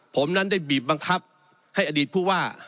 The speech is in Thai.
ผมนั้นได้บีบบังคับให้อดีตผู้ว่า